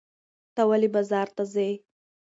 ته ولې بازار ته ځې؟